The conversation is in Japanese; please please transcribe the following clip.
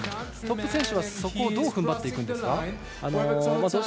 トップ選手はそこをどうふんばっていくんですか。